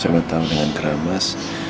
selamat tahun dengan keramas